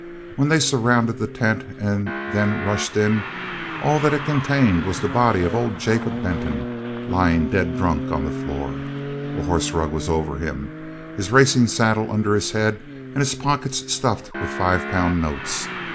When they surrounded the tent, and then rushed it, all that it contained was the body of old Jacob Benton, lying dead drunk on the floor. A horse rug was over him, his racing saddle under his head, and his pockets stuffed with five pound notes.